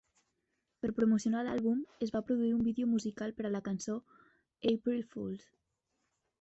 Per promocionar l'àlbum, es va produir un vídeo musical per a la cançó "April Fools".